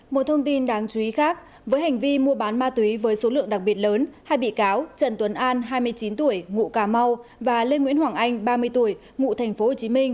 một thông tin đáng chú ý khác với hành vi mua bán ma túy với số lượng đặc biệt lớn hai bị cáo trần tuấn an hai mươi chín tuổi ngụ cà mau và lê nguyễn hoàng anh ba mươi tuổi ngụ tp hcm